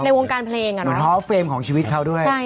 ในวงการเพลงอะหรือท้อเฟรมของชีวิตเขาด้วย